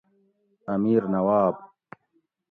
امیر نواب